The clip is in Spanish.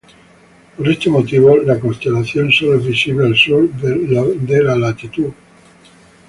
Por este motivo, la constelación solo es visible al sur de los de latitud.